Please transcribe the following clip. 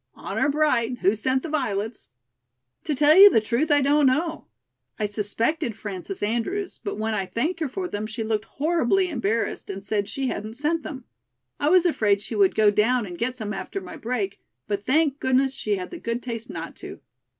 Honor bright, who sent the violets?" "To tell you the truth, I don't know. I suspected Frances Andrews, but when I thanked her for them, she looked horribly embarrassed and said she hadn't sent them. I was afraid she would go down and get some after my break, but thank goodness, she had the good taste not to."